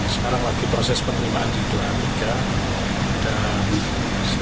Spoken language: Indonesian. sekarang lagi proses penerimaan di buah penjeneng